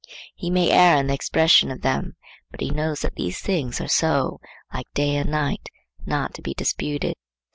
He may err in the expression of them, but he knows that these things are so, like day and night, not to be disputed.